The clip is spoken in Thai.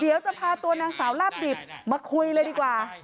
เดี๋ยวจะพาตัวนางสาวลาบดิบมาคุยเลยดีกว่า